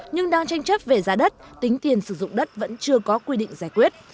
nhưng đang tranh chấp về giá đất tính tiền sử dụng đất vẫn chưa có quy định giải quyết